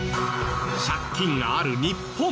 借金がある日本。